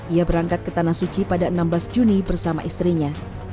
ia berangkat ke tanah suci pada enam belas juni bersama istrinya